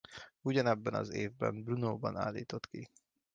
Ugyanebben az évben Brnóban állított ki.